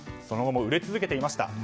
その後も売れ続けていました。